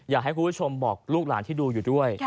อยากให้คุณผู้ชมบอกลูกหลานที่ดูอยู่ด้วย